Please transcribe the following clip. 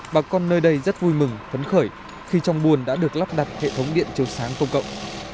bà con nơi đây rất vui mừng phấn khởi khi trong buôn đã được lắp đặt hệ thống điện chiếu sáng công cộng